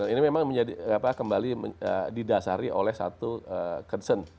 ini memang kembali didasari oleh satu concern